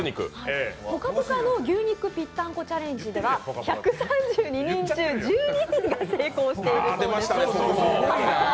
ぽかぽか！の牛肉ぴったんこチャレンジでは１３２人中１２人が成功しているそうです。